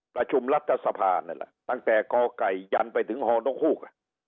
ประชุมรัฐสภานั่นแหละตั้งแต่กไก่ยันไปถึงฮนกฮูก